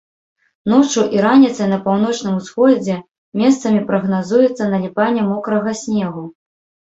Ноччу і раніцай па паўночным усходзе месцамі прагназуецца наліпанне мокрага снегу.